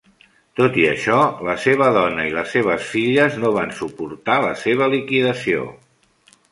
Tot i això, la seva dona i les seves filles no van suportar la seva liquidació.